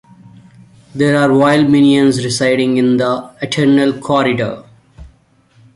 There are wild Minions residing in the Eternal Corridor.